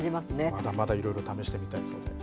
まだまだいろいろ試してみたいそうで。